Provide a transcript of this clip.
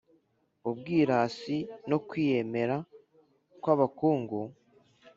Ubwirasi n’ukwiyemera kw’abakungu